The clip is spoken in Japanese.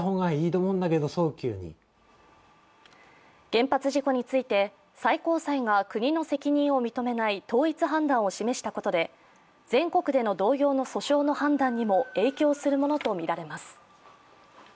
原発事故について最高裁が国の責任を認めない統一判断を示したことで全国での同様の訴訟の判断にも影響するものとみられます。